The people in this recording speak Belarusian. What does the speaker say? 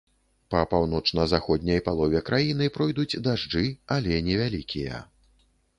Па паўночна-заходняй палове краіны пройдуць дажджы, але невялікія.